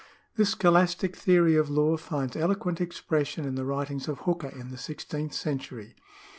This scholastic theory of law finds eloquent expression in the writings of Hooker in the sixteenth century.